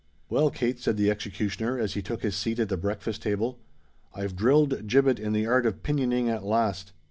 "Well, Kate," said the executioner, as he took his seat at the breakfast table, "I've drilled Gibbet into the art of pinioning at last."